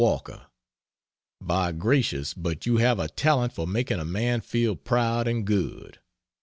WALKER, By gracious but you have a talent for making a man feel proud and good!